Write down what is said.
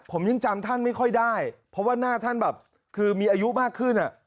ผมยังจำท่านไม่ค่อยได้เพราะว่าหน้าท่านแบบคือมีอายุมากขึ้นอ่ะ